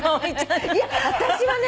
いや私はね。